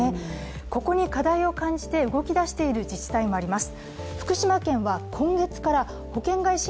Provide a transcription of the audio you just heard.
ここに課題を感じて動きだしている自治体もあります。